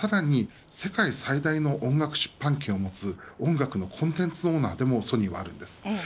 さらには世界最大の音楽出版権を持つ音楽のコンテンツオーナーでもソニーはあります。